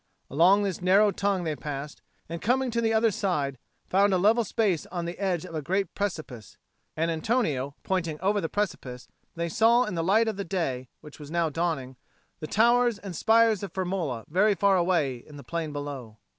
Along this narrow tongue they passed, and, coming to the other side, found a level space on the edge of a great precipice, and Antonio pointing over the precipice, they saw in the light of the day, which now was dawning, the towers and spires of Firmola very far away in the plain below.